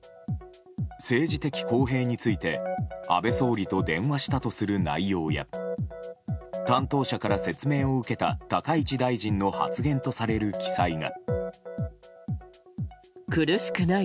政治的公平について安倍総理と電話したとする内容や担当者から説明を受けた高市大臣の発言とされる記載が。